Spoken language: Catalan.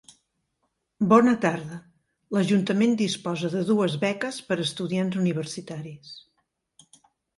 Bona tarda, l'Ajuntament disposa de dues beques per estudiants universitaris.